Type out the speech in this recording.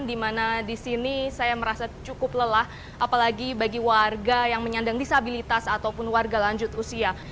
di mana di sini saya merasa cukup lelah apalagi bagi warga yang menyandang disabilitas ataupun warga lanjut usia